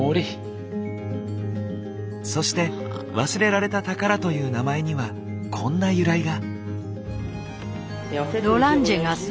そして「忘れられた宝」という名前にはこんな由来が。